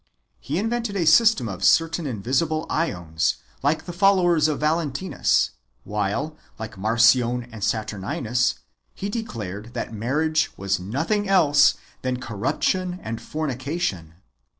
He invented a system of certain invisible iEons, like the followers of Valentinus ; while, like Marcion and Saturninus, he declared that mar riage was nothing else than corruption and fornication.